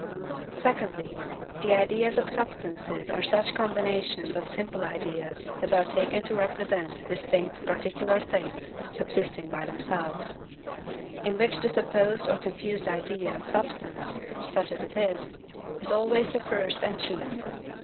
Secondly, the ideas of SUBSTANCES are such combinations of simple ideas as are taken to represent distinct PARTICULAR things subsisting by themselves; in which the supposed or confused idea of substance, such as it is, is always the first and chief.